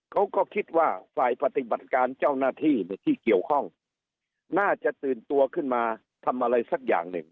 เขาก็คิดว่าฝ่ายปฏิบัติการเจ้าหน้าที่ที่เกี่ยวข้องน่าจะตื่นตัวขึ้นมาทำอะไรสักอย่างหนึ่ง